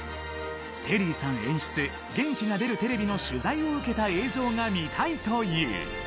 テリーさん演出、元気が出るテレビの取材を受けた映像が見たいという。